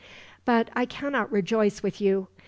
"But I cannot rejoice with you.